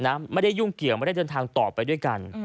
ไม่ได้ยุ่งเกี่ยวไม่ได้เดินทางต่อไปด้วยกัน